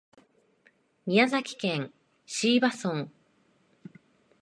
宮崎県椎葉村